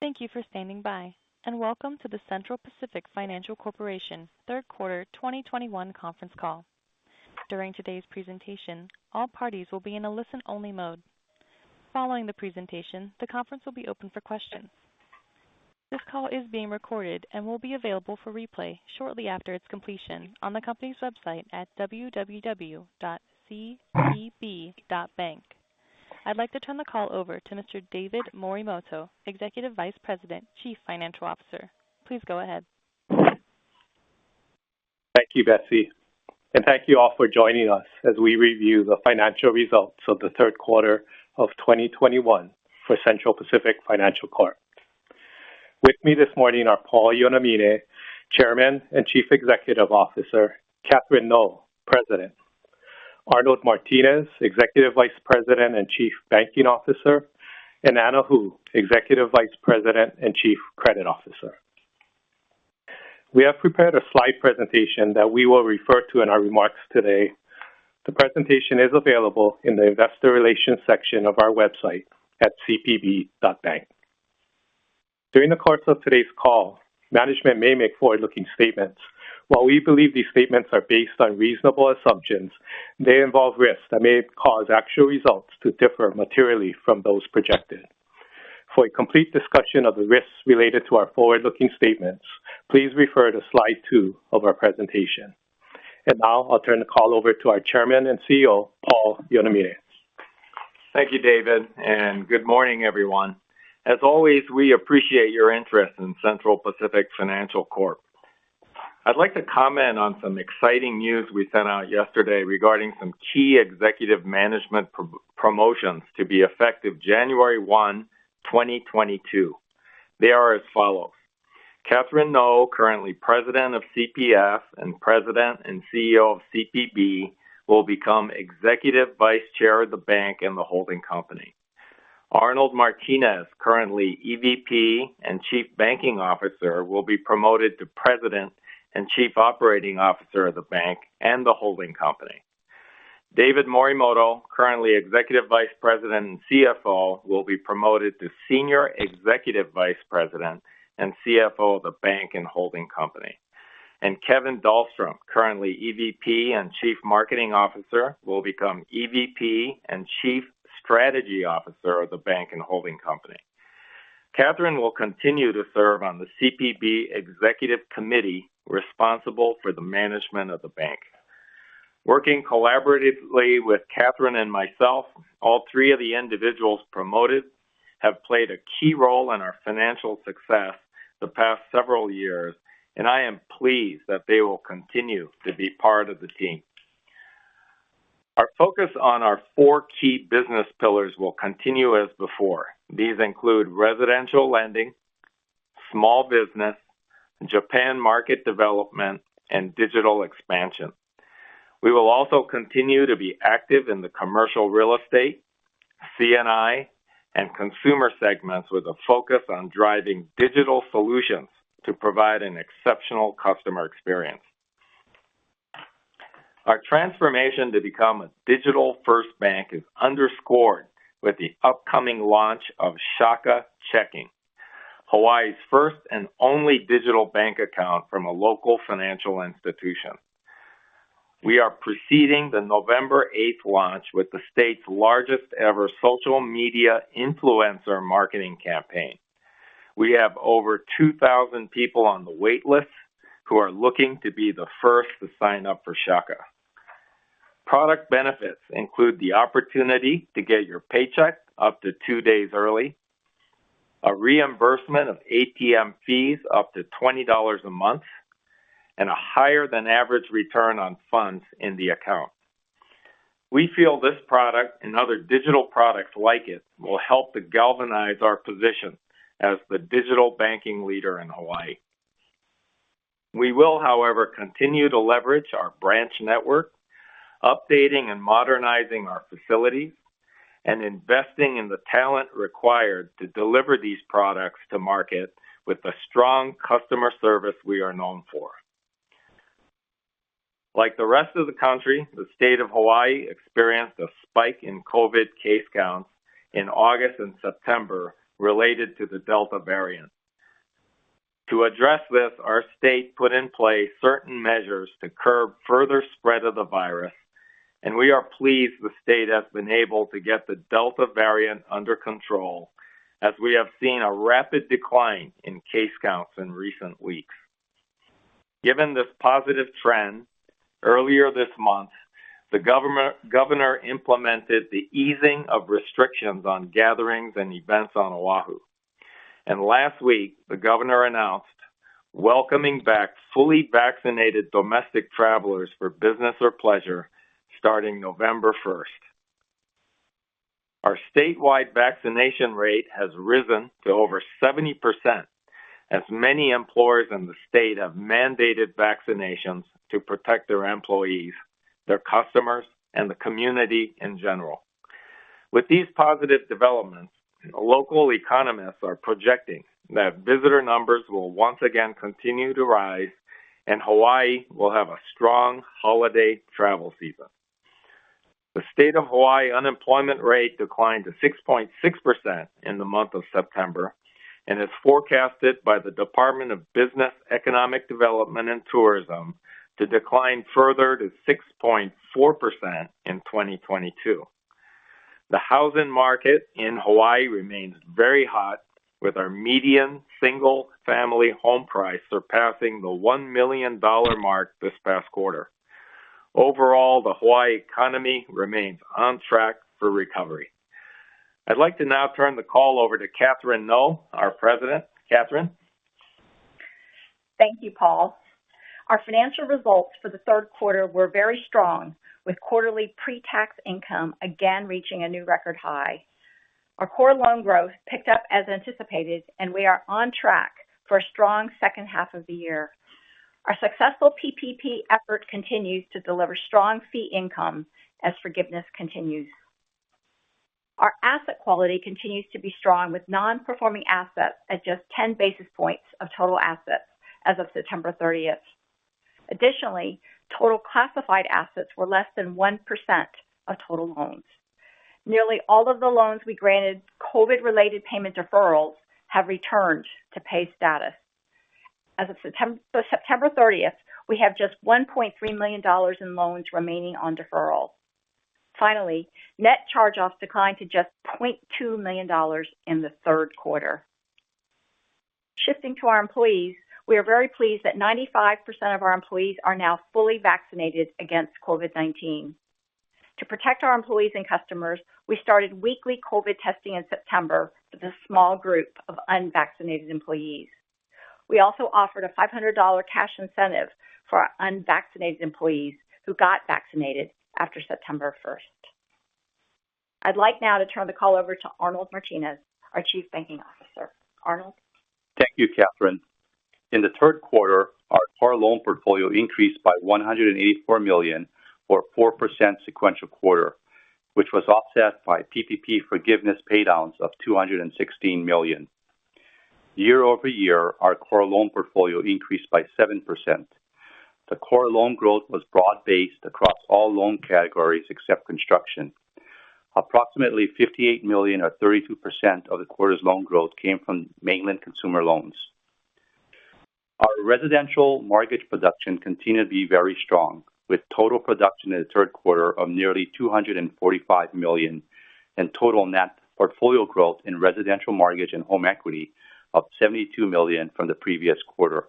Thank you for standing by, and welcome to the Central Pacific Financial Corp. third quarter 2021 conference call. During today's presentation, all parties will be in a listen-only mode. Following the presentation, the conference will be open for questions. This call is being recorded and will be available for replay shortly after its completion on the company's website at www.cpb.bank. I'd like to turn the call over to Mr. David Morimoto, Executive Vice President, Chief Financial Officer. Please go ahead. Thank you, Betsy, and thank you all for joining us as we review the financial results of the third quarter of 2021 for Central Pacific Financial Corp. With me this morning are Paul Yonamine, Chairman and Chief Executive Officer, Catherine Ngo, President, Arnold Martines, Executive Vice President and Chief Banking Officer, and Anna Hu, Executive Vice President and Chief Credit Officer. We have prepared a slide presentation that we will refer to in our remarks today. The presentation is available in the investor relations section of our website at cpb.bank. During the course of today's call, management may make forward-looking statements. While we believe these statements are based on reasonable assumptions, they involve risks that may cause actual results to differ materially from those projected. For a complete discussion of the risks related to our forward-looking statements, please refer to slide two of our presentation. Now I'll turn the call over to our Chairman and CEO, Paul Yonamine. Thank you, David, and good morning, everyone. As always, we appreciate your interest in Central Pacific Financial Corp. I'd like to comment on some exciting news we sent out yesterday regarding some key executive management promotions to be effective January 1, 2022. They are as follows. Catherine Ngo, currently president of CPF and President and CEO of CPB, will become Executive Vice Chair of the bank and the holding company. Arnold Martines, currently EVP and Chief Banking Officer, will be promoted to President and Chief Operating Officer of the bank and the holding company. David Morimoto, currently Executive Vice President and CFO, will be promoted to Senior Executive Vice President and CFO of the bank and holding company. Kevin Dahlstrom, currently EVP and Chief Marketing Officer, will become EVP and Chief Strategy Officer of the bank and holding company. Catherine will continue to serve on the CPB executive committee responsible for the management of the bank. Working collaboratively with Catherine and myself, all three of the individuals promoted have played a key role in our financial success the past several years, and I am pleased that they will continue to be part of the team. Our focus on our four key business pillars will continue as before. These include residential lending, small business, Japan market development, and digital expansion. We will also continue to be active in the commercial real estate, C&I, and consumer segments with a focus on driving digital solutions to provide an exceptional customer experience. Our transformation to become a digital-first bank is underscored with the upcoming launch of Shaka Checking, Hawaii's first and only digital bank account from a local financial institution. We are preceding the November 8th launch with the state's largest ever social media influencer marketing campaign. We have over 2,000 people on the wait list who are looking to be the first to sign up for Shaka. Product benefits include the opportunity to get your paycheck up to two days early, a reimbursement of ATM fees up to $20 a month, and a higher than average return on funds in the account. We feel this product and other digital products like it will help to galvanize our position as the digital banking leader in Hawaii. We will, however, continue to leverage our branch network, updating and modernizing our facilities, and investing in the talent required to deliver these products to market with the strong customer service we are known for. Like the rest of the country, the state of Hawaii experienced a spike in COVID-19 case counts in August and September related to the Delta variant. To address this, our state put in place certain measures to curb further spread of the virus, and we are pleased the state has been able to get the Delta variant under control as we have seen a rapid decline in case counts in recent weeks. Given this positive trend, earlier this month, the governor implemented the easing of restrictions on gatherings and events on Oahu. Last week, the governor announced welcoming back fully vaccinated domestic travelers for business or pleasure starting November 1st. Our statewide vaccination rate has risen to over 70% as many employers in the state have mandated vaccinations to protect their employees, their customers, and the community in general. With these positive developments, local economists are projecting that visitor numbers will once again continue to rise and Hawaii will have a strong holiday travel season. The state of Hawaii unemployment rate declined to 6.6% in the month of September and is forecasted by the Department of Business, Economic Development and Tourism to decline further to 6.4% in 2022. The housing market in Hawaii remains very hot, with our median single-family home price surpassing the $1 million mark this past quarter. Overall, the Hawaii economy remains on track for recovery. I'd like to now turn the call over to Catherine Ngo, our President. Catherine. Thank you, Paul. Our financial results for the third quarter were very strong, with quarterly pre-tax income again reaching a new record high. Our core loan growth picked up as anticipated, and we are on track for a strong second half of the year. Our successful PPP effort continues to deliver strong fee income as forgiveness continues. Our asset quality continues to be strong with non-performing assets at just 10 basis points of total assets as of September 30th. Additionally, total classified assets were less than 1% of total loans. Nearly all of the loans we granted COVID-19-related payment deferrals have returned to pay status. As of September 30th, we have just $1.3 million in loans remaining on deferral. Finally, net charge-offs declined to just $0.2 million in the third quarter. Shifting to our employees, we are very pleased that 95% of our employees are now fully vaccinated against COVID-19. To protect our employees and customers, we started weekly COVID testing in September with a small group of unvaccinated employees. We also offered a $500 cash incentive for our unvaccinated employees who got vaccinated after September 1st. I'd like now to turn the call over to Arnold Martines, our Chief Banking Officer. Arnold. Thank you, Catherine. In the third quarter, our core loan portfolio increased by $184 million or 4% sequential quarter, which was offset by PPP forgiveness paydowns of $216 million. Year-over-year, our core loan portfolio increased by 7%. The core loan growth was broad-based across all loan categories except construction. Approximately $58 million or 32% of the quarter's loan growth came from mainland consumer loans. Our residential mortgage production continued to be very strong, with total production in the third quarter of nearly $245 million and total net portfolio growth in residential mortgage and home equity up $72 million from the previous quarter.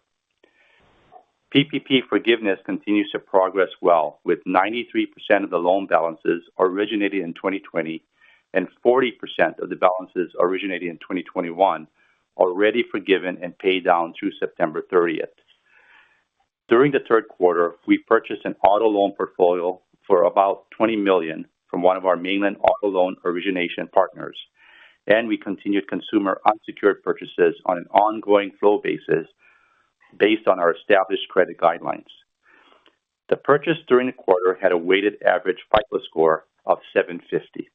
PPP forgiveness continues to progress well, with 93% of the loan balances originated in 2020 and 40% of the balances originated in 2021 already forgiven and paid down through September 30th. During the third quarter, we purchased an auto loan portfolio for about $20 million from one of our mainland auto loan origination partners, and we continued consumer unsecured purchases on an ongoing flow basis based on our established credit guidelines. The purchase during the quarter had a weighted average FICO score of 750.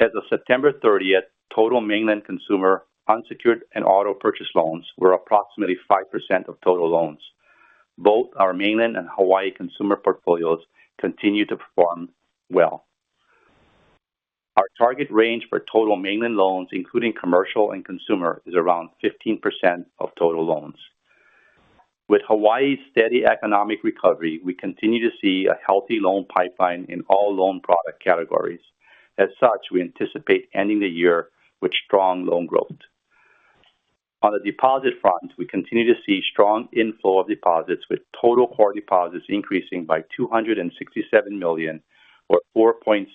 As of September 30th, total mainland consumer unsecured and auto purchase loans were approximately 5% of total loans. Both our mainland and Hawaii consumer portfolios continue to perform well. Our target range for total mainland loans, including commercial and consumer, is around 15% of total loans. With Hawaii's steady economic recovery, we continue to see a healthy loan pipeline in all loan product categories. We anticipate ending the year with strong loan growth. On the deposit front, we continue to see strong inflow of deposits, with total core deposits increasing by $267 million or 4.6%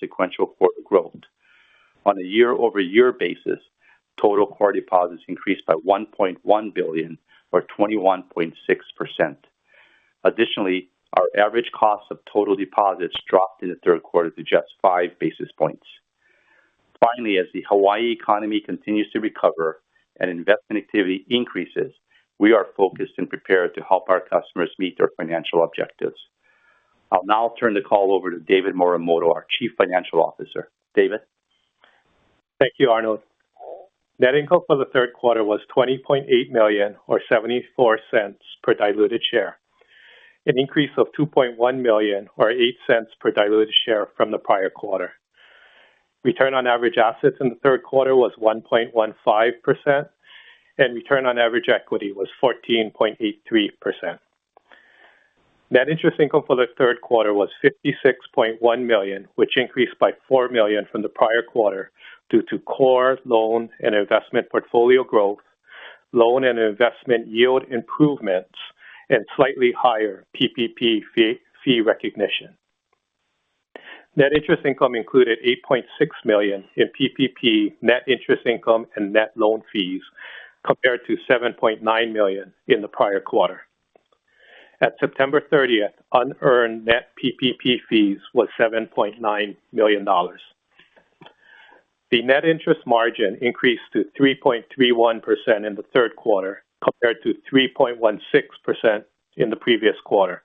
sequential quarter growth. On a year-over-year basis, total core deposits increased by $1.1 billion or 21.6%. Additionally, our average cost of total deposits dropped in the third quarter to just 5 basis points. Finally, as the Hawaii economy continues to recover and investment activity increases, we are focused and prepared to help our customers meet their financial objectives. I'll now turn the call over to David Morimoto, our Chief Financial Officer. David. Thank you, Arnold. Net income for the third quarter was $20.8 million or $0.74 per diluted share, an increase of $2.1 million or $0.08 per diluted share from the prior quarter. Return on average assets in the third quarter was 1.15%, and return on average equity was 14.83%. Net interest income for the third quarter was $56.1 million, which increased by $4 million from the prior quarter due to core loan and investment portfolio growth, loan and investment yield improvements, and slightly higher PPP fee recognition. Net interest income included $8.6 million in PPP net interest income and net loan fees, compared to $7.9 million in the prior quarter. At September 30th, unearned net PPP fees was $7.9 million. The net interest margin increased to 3.31% in the third quarter, compared to 3.16% in the previous quarter.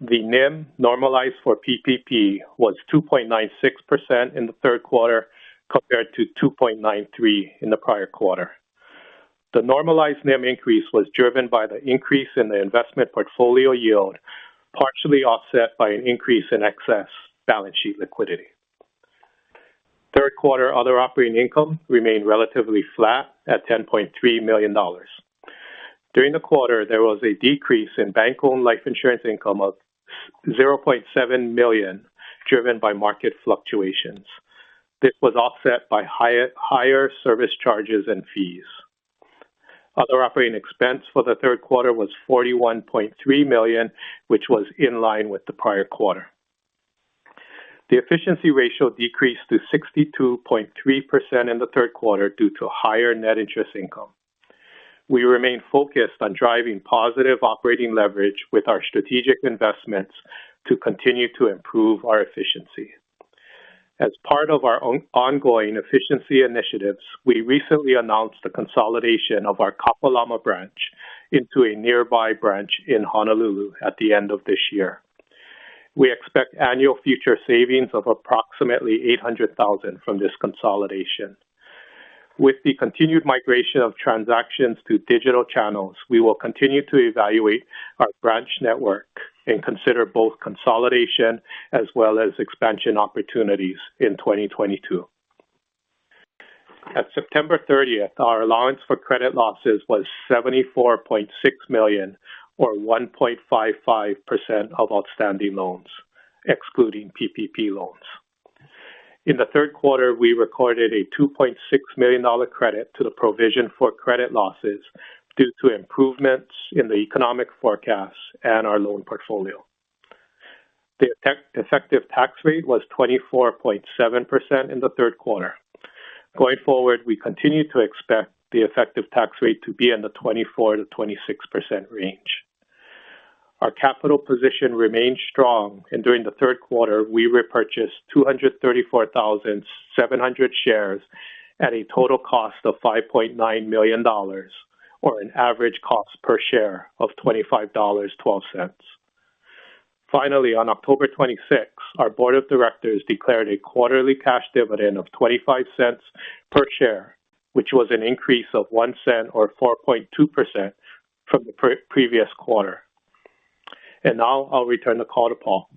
The NIM normalized for PPP was 2.96% in the third quarter, compared to 2.93% in the prior quarter. The normalized NIM increase was driven by the increase in the investment portfolio yield, partially offset by an increase in excess balance sheet liquidity. Third quarter other operating income remained relatively flat at $10.3 million. During the quarter, there was a decrease in bank-owned life insurance income of $0.7 million, driven by market fluctuations. This was offset by higher service charges and fees. Other operating expense for the third quarter was $41.3 million, which was in line with the prior quarter. The efficiency ratio decreased to 62.3% in the third quarter due to higher net interest income. We remain focused on driving positive operating leverage with our strategic investments to continue to improve our efficiency. As part of our ongoing efficiency initiatives, we recently announced the consolidation of our Kapalama branch into a nearby branch in Honolulu at the end of this year. We expect annual future savings of approximately $800,000 from this consolidation. With the continued migration of transactions to digital channels, we will continue to evaluate our branch network and consider both consolidation as well as expansion opportunities in 2022. At September 30th, our allowance for credit losses was $74.6 million or 1.55% of outstanding loans, excluding PPP loans. In the third quarter, we recorded a $2.6 million credit to the provision for credit losses due to improvements in the economic forecasts and our loan portfolio. The effective tax rate was 24.7% in the third quarter. Going forward, we continue to expect the effective tax rate to be in the 24%-26% range. Our capital position remains strong, and during the third quarter, we repurchased 234,700 shares at a total cost of $5.9 million or an average cost per share of $25.12. Finally, on October 26th, our board of directors declared a quarterly cash dividend of $0.25 per share, which was an increase of $0.01 or 4.2% from the previous quarter. Now I'll return the call to Paul.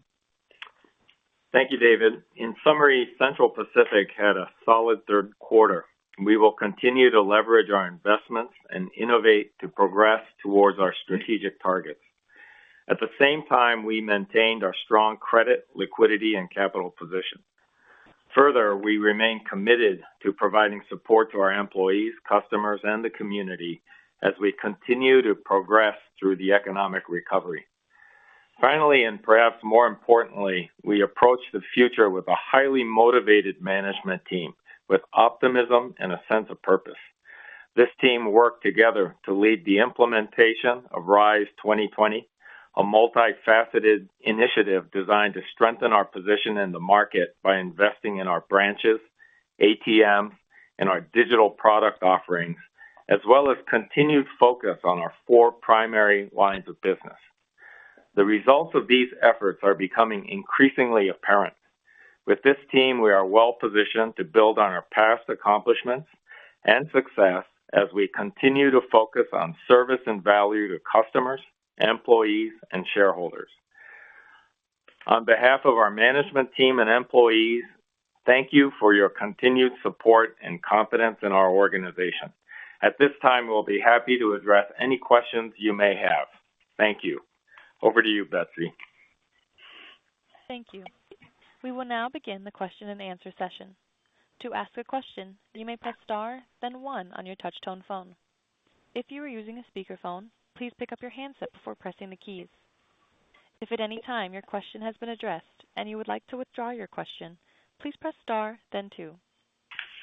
Thank you, David. In summary, Central Pacific had a solid third quarter. We will continue to leverage our investments and innovate to progress towards our strategic targets. At the same time, we maintained our strong credit, liquidity and capital position. Further, we remain committed to providing support to our employees, customers, and the community as we continue to progress through the economic recovery. Finally, and perhaps more importantly, we approach the future with a highly motivated management team with optimism and a sense of purpose. This team worked together to lead the implementation of RISE 2020, a multifaceted initiative designed to strengthen our position in the market by investing in our branches, ATMs, and our digital product offerings, as well as continued focus on our four primary lines of business. The results of these efforts are becoming increasingly apparent. With this team, we are well-positioned to build on our past accomplishments and success as we continue to focus on service and value to customers, employees, and shareholders. On behalf of our management team and employees, thank you for your continued support and confidence in our organization. At this time, we'll be happy to address any questions you may have. Thank you. Over to you, Betsy. Thank you. We will now begin the question-and-answer session. To ask a question, you may press star then one on your touch tone phone. If you are using a speakerphone, please pick up your handset before pressing the keys. If at any time your question has been addressed and you would like to withdraw your question, please press star then two.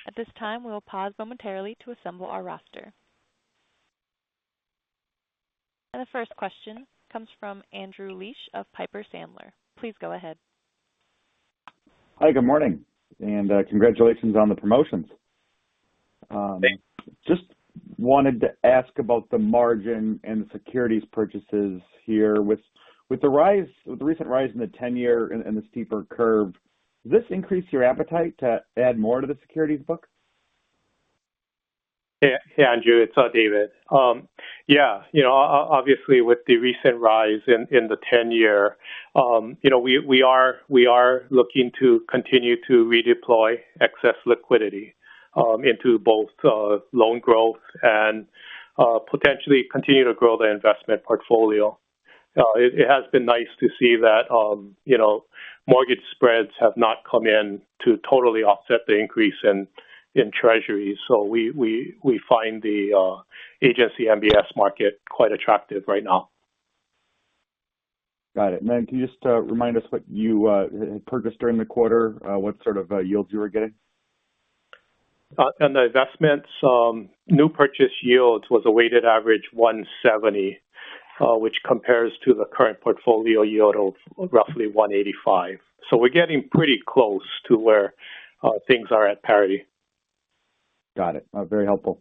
At this time, we will pause momentarily to assemble our roster. The first question comes from Andrew Liesch of Piper Sandler. Please go ahead. Hi, good morning, and congratulations on the promotions. Thank you. Just wanted to ask about the margin and the securities purchases here. With the recent rise in the ten-year and the steeper curve, will this increase your appetite to add more to the securities book? Yeah. Hey, Andrew, it's David. Yeah, you know, obviously with the recent rise in the 10-year, you know, we are looking to continue to redeploy excess liquidity into both loan growth and potentially continue to grow the investment portfolio. It has been nice to see that, you know, mortgage spreads have not come in to totally offset the increase in Treasury. We find the agency MBS market quite attractive right now. Got it. Can you just remind us what you had purchased during the quarter, what sort of yields you were getting? On the investments, new purchase yields was a weighted average 1.70%, which compares to the current portfolio yield of roughly 1.85%. We're getting pretty close to where things are at parity. Got it. Very helpful.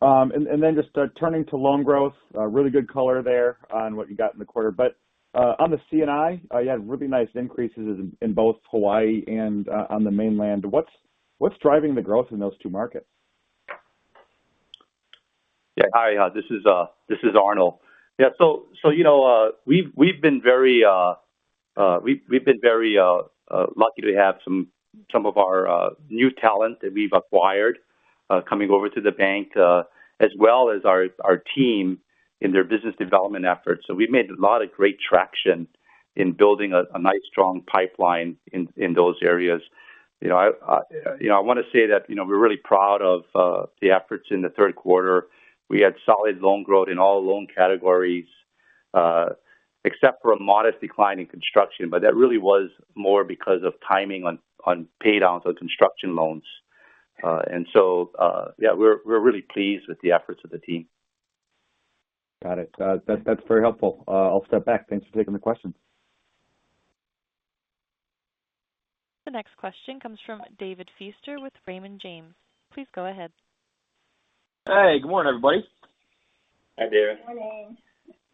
Then just turning to loan growth, really good color there on what you got in the quarter. On the C&I, you had really nice increases in both Hawaii and on the mainland. What's driving the growth in those two markets? Yeah. Hi, this is Arnold. Yeah, so you know, we've been very lucky to have some of our new talent that we've acquired coming over to the bank, as well as our team in their business development efforts. We've made a lot of great traction in building a nice strong pipeline in those areas. You know, I want to say that, you know, we're really proud of the efforts in the third quarter. We had solid loan growth in all loan categories except for a modest decline in construction. That really was more because of timing on paydowns of construction loans. Yeah, we're really pleased with the efforts of the team. Got it. That's very helpful. I'll step back. Thanks for taking the question. The next question comes from David Feaster with Raymond James. Please go ahead. Hey, good morning, everybody. Hi, David. Morning.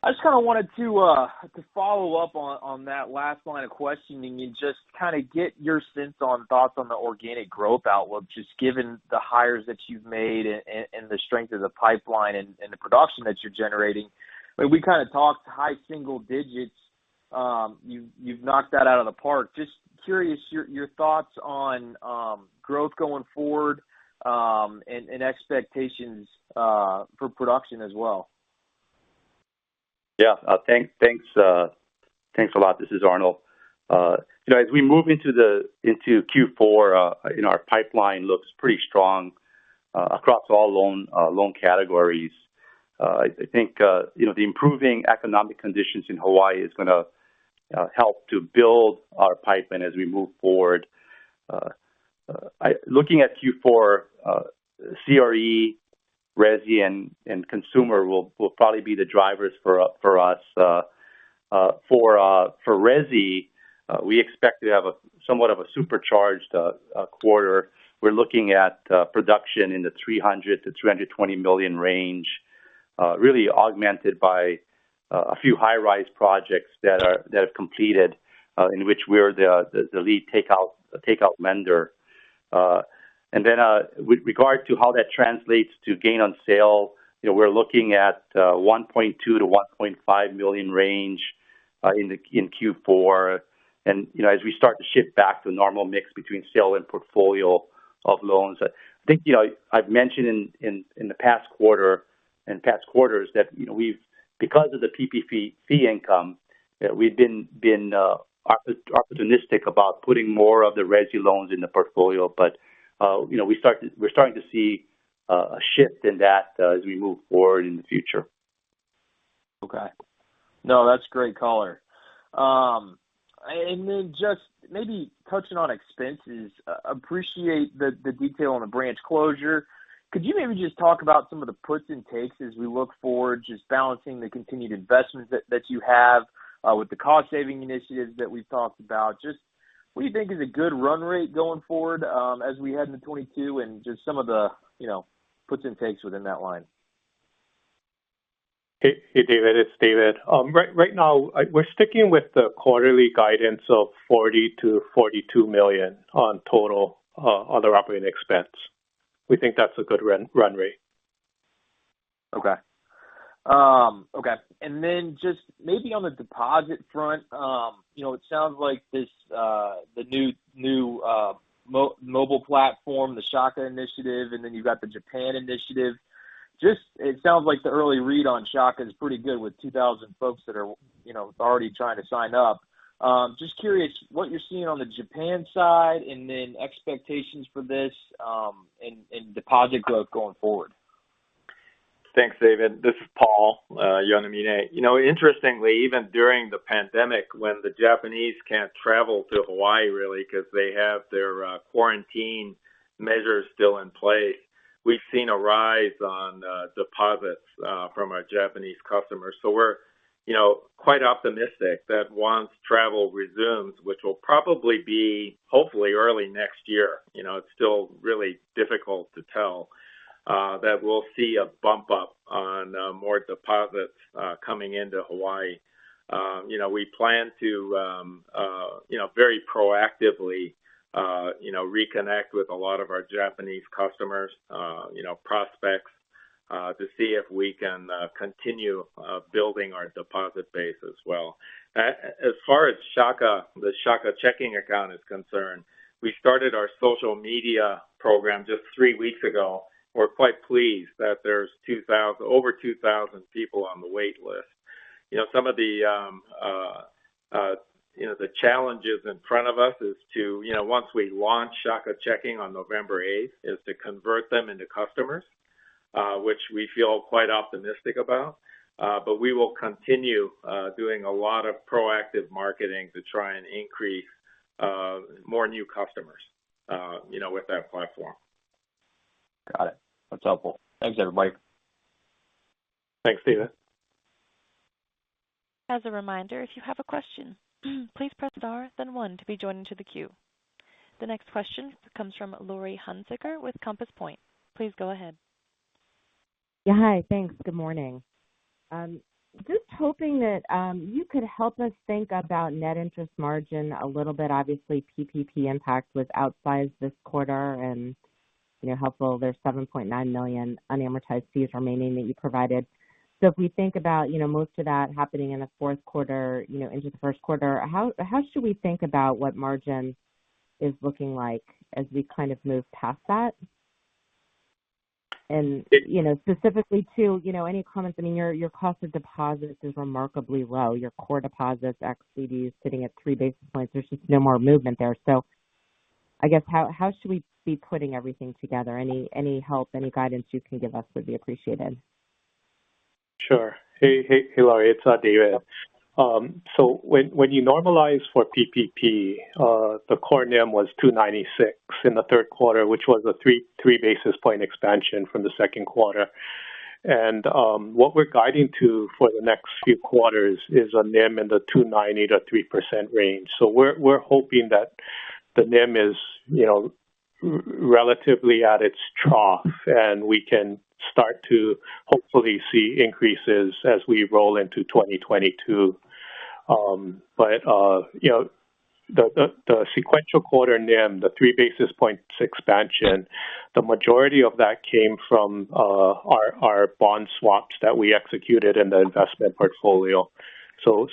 I just kind of wanted to follow up on that last line of questioning and just kind of get your sense on thoughts on the organic growth outlook, just given the hires that you've made and the strength of the pipeline and the production that you're generating. I mean, we kind of talked high single digits. You've knocked that out of the park. Just curious your thoughts on growth going forward and expectations for production as well. Thanks a lot. This is Arnold. You know, as we move into Q4, you know, our pipeline looks pretty strong across all loan categories. I think, you know, the improving economic conditions in Hawaii is gonna help to build our pipeline as we move forward. Looking at Q4, CRE, RESI, and consumer will probably be the drivers for us. For RESI, we expect to have somewhat of a supercharged quarter. We're looking at production in the $300 million-$320 million range, really augmented by a few high-rise projects that have completed, in which we're the lead takeout lender. With regard to how that translates to gain on sale, you know, we're looking at $1.2-$1.5 million range in Q4. You know, as we start to shift back to a normal mix between sale and portfolio of loans. I think, you know, I've mentioned in the past quarter, in past quarters that, you know, because of the PPP fee income, we've been opportunistic about putting more of the RESI loans in the portfolio. You know, we're starting to see a shift in that as we move forward in the future. Okay. No, that's great color. Then just maybe touching on expenses. Appreciate the detail on the branch closure. Could you maybe just talk about some of the puts and takes as we look forward, just balancing the continued investments that you have with the cost saving initiatives that we've talked about? Just what do you think is a good run rate going forward, as we head into 2022 and just some of the, you know, puts and takes within that line? Hey, David, it's David. Right now we're sticking with the quarterly guidance of $40 million-$42 million on total other operating expense. We think that's a good run rate. Okay. Then just maybe on the deposit front, you know, it sounds like this, the new mobile platform, the Shaka initiative, and then you've got the Japan initiative. It sounds like the early read on Shaka is pretty good with 2,000 folks that are, you know, already trying to sign up. Just curious what you're seeing on the Japan side and then expectations for this, in deposit growth going forward. Thanks, David. This is Paul Yonamine. You know, interestingly, even during the pandemic, when the Japanese can't travel to Hawaii really because they have their quarantine measures still in place, we've seen a rise in deposits from our Japanese customers. We're, you know, quite optimistic that once travel resumes, which will probably be hopefully early next year, you know, it's still really difficult to tell that we'll see a bump up in more deposits coming into Hawaii. You know, we plan to very proactively reconnect with a lot of our Japanese customers' prospects to see if we can continue building our deposit base as well. As far as Shaka, the Shaka Checking account is concerned, we started our social media program just three weeks ago. We're quite pleased that there's over 2,000 people on the wait list. You know, some of the challenges in front of us is to, once we launch Shaka Checking on November 8th, convert them into customers, which we feel quite optimistic about. But we will continue doing a lot of proactive marketing to try and increase more new customers, you know, with that platform. Got it. That's helpful. Thanks, everybody. Thanks, David. As a reminder, if you have a question, please press star then one to be joined into the queue. The next question comes from Laurie Hunsicker with Compass Point. Please go ahead. Yeah. Hi. Thanks. Good morning. Just hoping that you could help us think about net interest margin a little bit. Obviously, PPP impact was outsized this quarter and, you know, helpful. There's $7.9 million unamortized fees remaining that you provided. If we think about, you know, most of that happening in the fourth quarter, you know, into the first quarter, how should we think about what margin is looking like as we kind of move past that? You know, specifically too, you know, any comments. I mean, your cost of deposits is remarkably low. Your core deposits, ex-CDs sitting at 3 basis points. There's just no more movement there. I guess how should we be putting everything together? Any help, any guidance you can give us would be appreciated. Sure. Hey, Laurie, it's David. So when you normalize for PPP, the core NIM was 2.96 in the third quarter, which was a 3 basis point expansion from the second quarter. What we're guiding to for the next few quarters is a NIM in the 2.90%-3% range. We're hoping that the NIM is relatively at its trough, and we can start to hopefully see increases as we roll into 2022. The sequential quarter NIM, the 3 basis points expansion, the majority of that came from our bond swaps that we executed in the investment portfolio.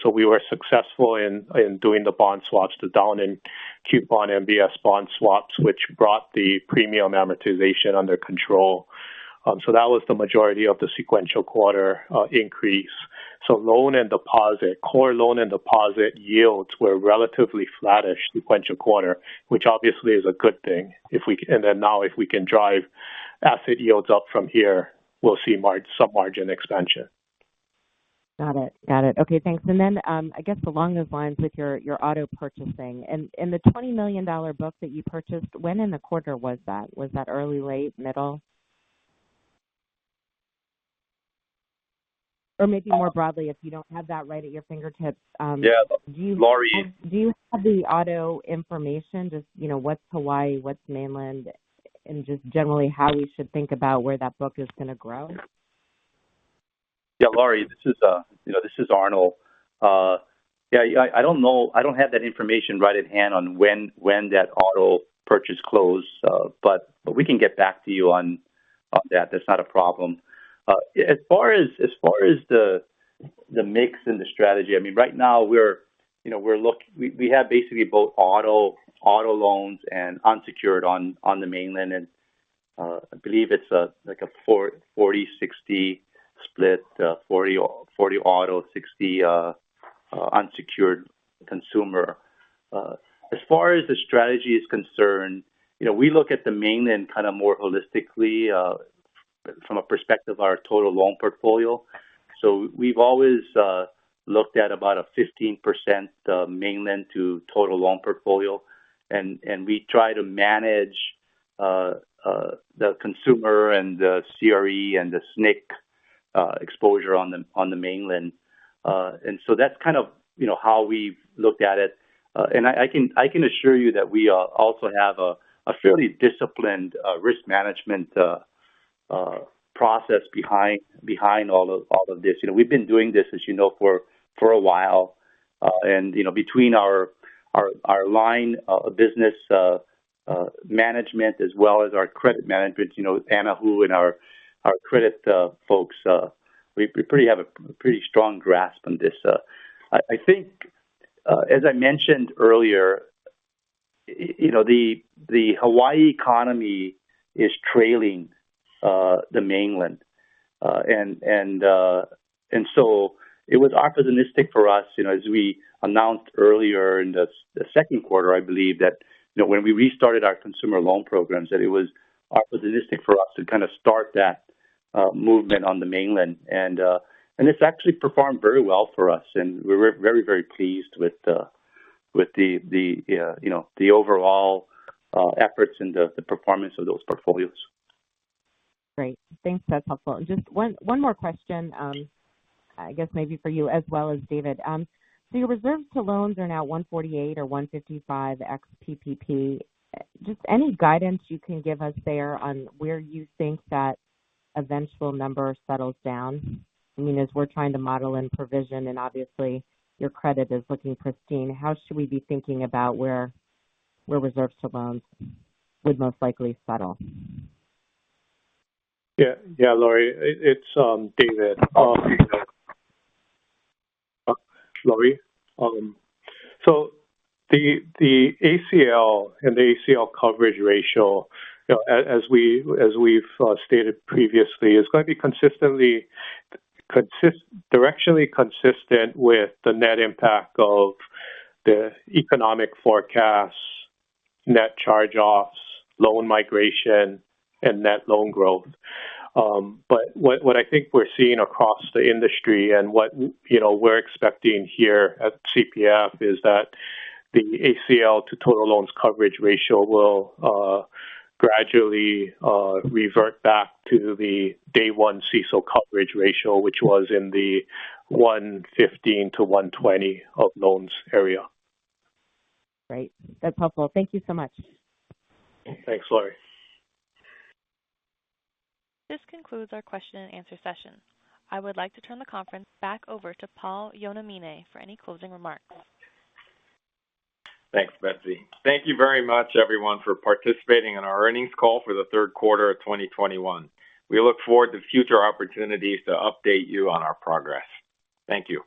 We were successful in doing the bond swaps, the down in coupon MBS bond swaps, which brought the premium amortization under control. That was the majority of the sequential quarter increase. Loan and deposit, core loan and deposit yields were relatively flattish sequential quarter, which obviously is a good thing. If we can drive asset yields up from here, we'll see some margin expansion. Got it. Okay, thanks. Then, I guess along those lines with your auto purchasing. In the $20 million book that you purchased, when in the quarter was that? Was that early, late, middle? Or maybe more broadly, if you don't have that right at your fingertips? Yeah, Laurie. Do you have the auto information? Just, you know, what's Hawaii, what's mainland, and just generally how we should think about where that book is going to grow. Yeah, Laurie, this is, you know, Arnold. Yeah, I don't know. I don't have that information right at hand on when that auto purchase closed. We can get back to you on that. That's not a problem. As far as the mix and the strategy, I mean, right now we're, you know, we have basically both auto loans and unsecured on the mainland. I believe it's like a 40-60 split. 40 auto, 60 unsecured consumer. As far as the strategy is concerned, you know, we look at the mainland kind of more holistically from a perspective of our total loan portfolio. We've always looked at about a 15% mainland to total loan portfolio. We try to manage the consumer and the CRE and the SNC exposure on the mainland. That's kind of, you know, how we've looked at it. I can assure you that we also have a fairly disciplined risk management process behind all of this. You know, we've been doing this, as you know, for a while. You know, between our line of business management as well as our credit management, you know, Anna Hu and our credit folks, we pretty have a pretty strong grasp on this. I think, as I mentioned earlier, you know, the Hawaii economy is trailing the mainland. It was opportunistic for us, you know, as we announced earlier in the second quarter, I believe, that, you know, when we restarted our consumer loan programs, that it was opportunistic for us to kind of start that movement on the mainland. It's actually performed very well for us, and we're very, very pleased with you know, the overall efforts and the performance of those portfolios. Great. Thanks. That's helpful. Just one more question, I guess maybe for you as well as David. Your reserves to loans are now 1.48% or 1.55% ex PPP. Just any guidance you can give us there on where you think that eventual number settles down. I mean, as we're trying to model and provision, and obviously your credit is looking pristine. How should we be thinking about where reserves to loans would most likely settle? Yeah, Laurie, it's David. Laurie, so the ACL and the ACL coverage ratio, you know, as we've stated previously, is going to be directionally consistent with the net impact of the economic forecasts, net charge-offs, loan migration, and net loan growth. What I think we're seeing across the industry and what, you know, we're expecting here at CPF is that the ACL to total loans coverage ratio will gradually revert back to the day one CECL coverage ratio, which was in the 1.15%-1.20% of loans area. Great. That's helpful. Thank you so much. Thanks, Laurie. This concludes our question-and-answer session. I would like to turn the conference back over to Paul Yonamine for any closing remarks. Thanks, Betsy. Thank you very much, everyone, for participating in our earnings call for the third quarter of 2021. We look forward to future opportunities to update you on our progress. Thank you.